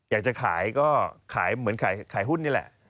อยากจะขายก็ขายเหมือนขายหุ้นนี่แหละ